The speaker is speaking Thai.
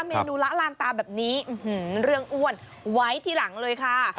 เมนูละลานตาแบบนี้เรื่องอ้วนไว้ที่หลังเลยค่ะ